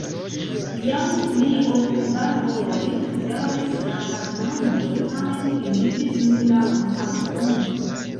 Jam pli ol kvar horojn daŭris la tagmanĝo, tamen finiĝis nur la unua duono.